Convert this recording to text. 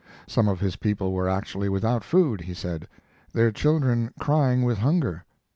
Some of his people were actually without food, he said, their children crying with hunger.